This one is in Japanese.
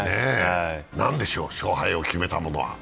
何でしょう、勝敗を決めたのは。